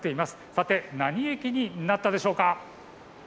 さて何駅になったでしょうか。